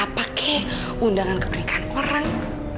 apa kek undangan kebenikan orang